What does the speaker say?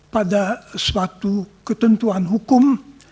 pada suatu ketentuan hukum